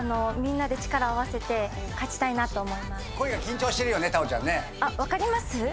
みんなで力を合わせて勝ちたいなと思います。